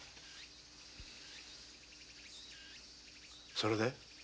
それで？